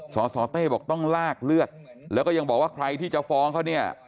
สสเต้บอกต้องลากเลือดแล้วก็ยังบอกว่าใครที่จะฟ้องเขาเนี่ย